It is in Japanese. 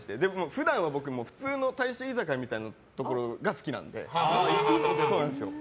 普段は僕、普通の大衆居酒屋みたいなところが行くの？